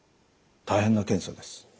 大変な検査です。